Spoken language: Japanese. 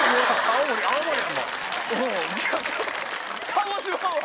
鹿児島は？